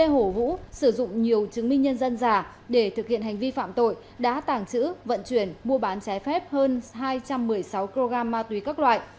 hồ vũ sử dụng nhiều chứng minh nhân dân giả để thực hiện hành vi phạm tội đã tàng trữ vận chuyển mua bán trái phép hơn hai trăm một mươi sáu kg ma túy các loại